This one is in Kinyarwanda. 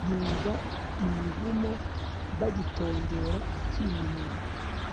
yumva imivumo bagitongera, akinumira